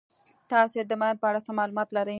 تاسې د ماین په اړه څه معلومات لرئ.